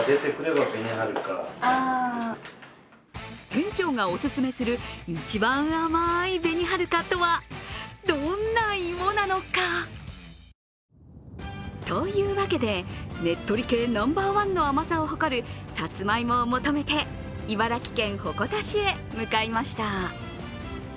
店長がお勧めする、一番甘いべにはるかとはどんな芋なのか！？というわけで、ねっとり系ナンバーワンの甘さを誇るさつまいもを求めて、茨城県鉾田市へ向かいました。